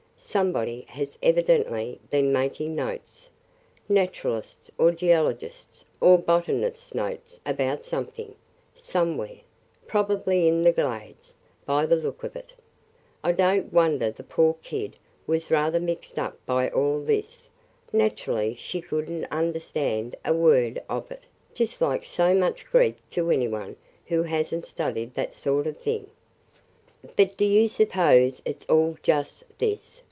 Somebody has evidently been making notes – Naturalist's or geologist's or botanist's notes about something, somewhere – probably in the Glades, by the look of it. I don't wonder the poor kid was rather mixed up by all this. Naturally she could n't understand a word of it – just like so much Greek to any one who has n't studied that sort of thing!" "But do you suppose it 's all just – this?"